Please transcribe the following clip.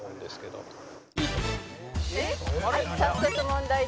「はい早速問題です」